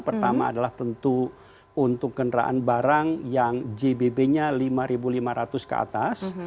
pertama adalah tentu untuk kendaraan barang yang jbb nya lima lima ratus ke atas